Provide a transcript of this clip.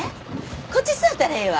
こっち座ったらええわ。